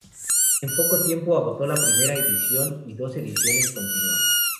En poco tiempo agotó la primera edición y dos ediciones continuas.